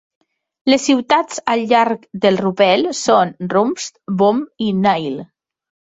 Les ciutats al llarg del Rupel són Rumst, Boom i Niel.